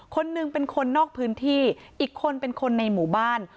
คนหนึ่งเป็นคนนอกพื้นที่อีกคนเป็นคนในหมู่บ้าน